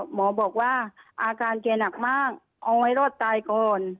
หมอบอกว่าอาการแกหนักมากเอาให้รอดตายก่อน